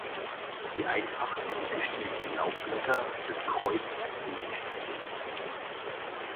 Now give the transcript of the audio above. Die einfachen und gestielten Laubblätter sind (kreuz)gegenständig.